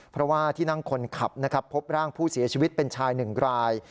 เพราะว่าที่นั่งคนขับนะครับพบร่างผู้เสียชีวิตเป็นชายหนึ่งราย